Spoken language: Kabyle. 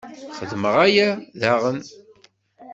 Xedmeɣ aya, daɣen.